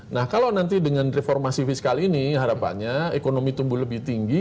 nah kalau nanti dengan reformasi fiskal ini harapannya ekonomi tumbuh lebih tinggi